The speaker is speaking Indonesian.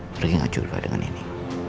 mereka nggak curiga dengan ini